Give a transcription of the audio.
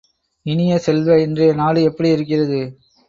இனிய செல்வ., இன்றைய நாடு எப்படி இருக்கிறது?